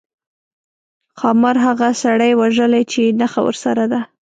ښامار هغه سړي وژلی چې نخښه ورسره ده.